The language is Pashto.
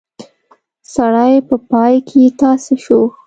سړی په پای کې تاسی شو.